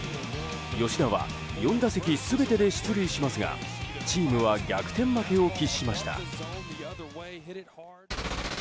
吉田は４打席全てで出塁しますがチームは逆転負けを喫しました。